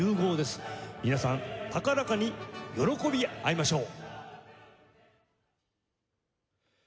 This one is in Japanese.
皆さん高らかに喜び合いましょう！